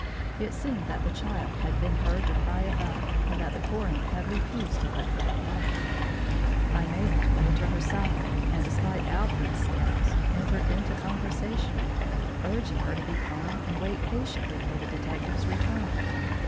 It seemed that the child had been heard to cry above, and that the coroner had refused to let her go up. I made my way to her side, and, despite Alfred's scowls, entered into conversation with her, urging her to be calm and wait patiently for the detective's return.